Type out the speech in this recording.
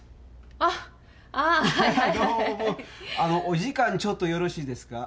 お時間ちょっとよろしいですか？